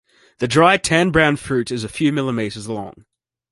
The dry tan-brown fruit is a few millimeters long.